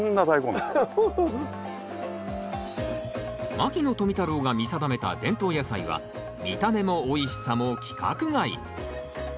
牧野富太郎が見定めた伝統野菜は見た目もおいしさも規格外。